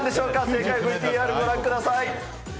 正解ＶＴＲご覧ください。